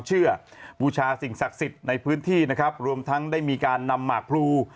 เชื่อบูชาสิ่งศักดิ์สิทธิ์ในพื้นที่นะครับรวมทั้งได้มีการนำหมากพลู